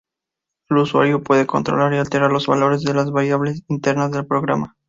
El usuario puede controlar y alterar los valores de las variables internas del programa.